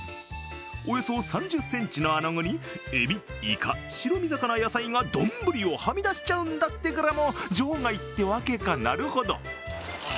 およそ３０ｃｍのあなごにえび、いか、白身魚、野菜が丼をはみ出しちゃうんだってから場外ってわけか、なるほど。